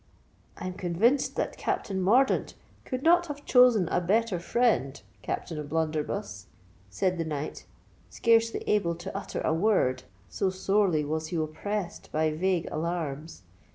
"I'm convinced that Captain Mordaunt could not have chosen a better friend, Captain O'Blunderbuss," said the knight, scarcely able to utter a word, so sorely was he oppressed by vague alarms.